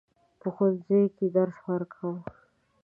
په ښوونځي کې درس ورکاوه.